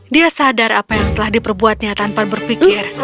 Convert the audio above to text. dia sadar apa yang telah diperbuatnya tanpa berpikir